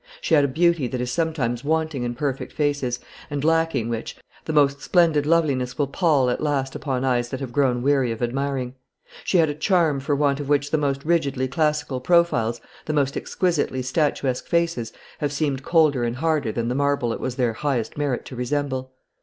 She had a beauty that is sometimes wanting in perfect faces, and, lacking which, the most splendid loveliness will pall at last upon eyes that have grown weary of admiring; she had a charm for want of which the most rigidly classical profiles, the most exquisitely statuesque faces, have seemed colder and harder than the marble it was their highest merit to resemble.